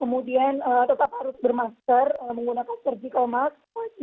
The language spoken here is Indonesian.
kemudian tetap harus bermasker menggunakan surgical masker